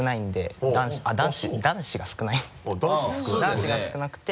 男子が少なくて。